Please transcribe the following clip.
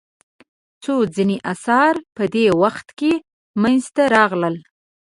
خو ځینې اثار په دې وخت کې منځته راغلل.